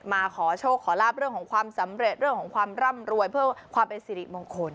มาขอโชคขอลาบเรื่องของความสำเร็จเรื่องของความร่ำรวยเพื่อความเป็นสิริมงคล